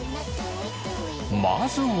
まずは。